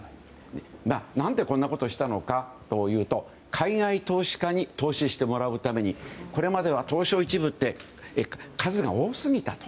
何でこんなことをしたのかというと、海外投資家に投資してもらうためにこれまでは東証１部って数が多すぎたと。